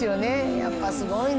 やっぱすごいな！